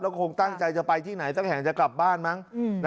คงตั้งใจจะไปที่ไหนสักแห่งจะกลับบ้านมั้ง